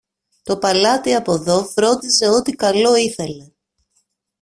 Το παλάτι από δω φρόντιζε ό,τι καλό ήθελε.